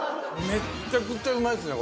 めちゃくちゃうまいね！